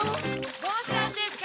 ・どうしたんですか？